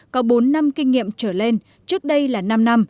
có bốn năm kinh nghiệm trở lên trước đây là năm năm